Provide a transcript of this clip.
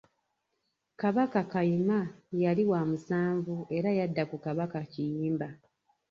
Kabaka Kayima yali wa musanvu era yadda ku kabaka Kiyimba.